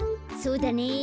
そうだね。